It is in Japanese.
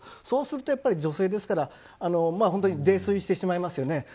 そうすると、女性ですから本当に泥酔してしまいますよね。